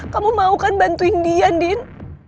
kamu mau kan bantuin dia andin